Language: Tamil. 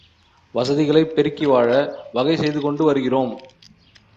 வசதிகளைப் பெருக்கி வாழ வகை செய்துகொண்டு வருகிறோம்.